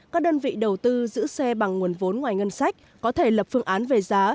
các đơn vị đầu tư giữ xe bằng nguồn vốn ngoài ngân sách có thể lập phương án về giá